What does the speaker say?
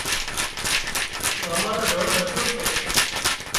ماما نو ڍول مشهور سي